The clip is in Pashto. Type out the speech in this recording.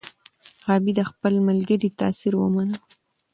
غابي د خپل ملګري تاثیر ومنه.